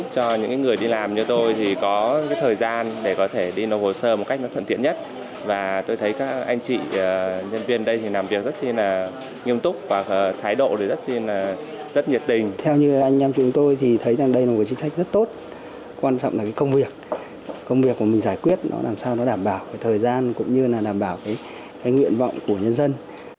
công việc của mình giải quyết làm sao nó đảm bảo thời gian cũng như là đảm bảo cái nguyện vọng của nhân dân